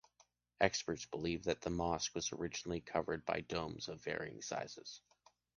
Experts believe that the mosque was originally covered by domes of varying sizes.